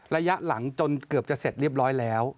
ระยะหลังจนเกือบจะเสร็จเรียบร้อยแล้ว